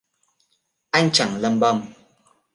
Anh chẳng lầm bầm